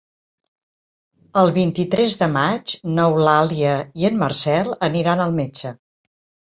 El vint-i-tres de maig n'Eulàlia i en Marcel aniran al metge.